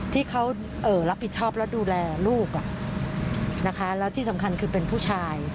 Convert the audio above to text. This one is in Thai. ที่เขารับผิดชอบและดูแลลูกนะคะแล้วที่สำคัญคือเป็นผู้ชาย